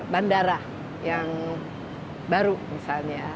bandara yang baru misalnya